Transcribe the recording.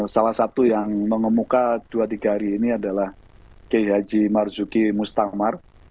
salah satu yang mengemuka dua tiga hari ini adalah k h marzuki mustamar